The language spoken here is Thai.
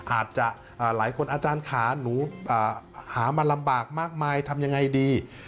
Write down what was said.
อาจจะหลายคนอาจารย์ขาหนูหามาลำบากมากมายทำยังไงดี